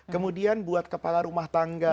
kemudian buat kepala rumah tangga